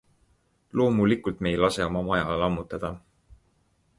Loomulikult me ei lase oma maja lammutada.